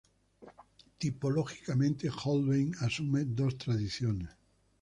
Tipológicamente, Holbein asume dos tradiciones.